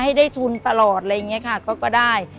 ให้ได้ทุนตลอดอะไรอย่างนี้ค่ะก็ได้